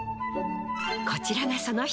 こちらがその人！